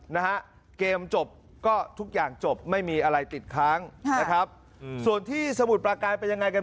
นะฮะเกมจบก็ทุกอย่างจบไม่มีอะไรติดค้างนะครับส่วนที่สมุทรประการเป็นยังไงกัน